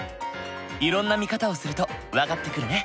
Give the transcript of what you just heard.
いろんな見方をすると分かってくるね。